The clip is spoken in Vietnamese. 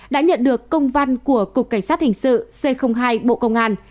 đã nhận được công văn của cục cảnh sát hình sự c hai bộ công an